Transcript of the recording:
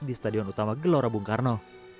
di stadion utama gelora bung karno